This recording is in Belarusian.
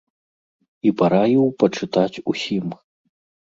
І параіў пачытаць усім.